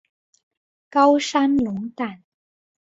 高山龙胆